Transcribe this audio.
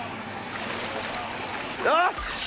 よし！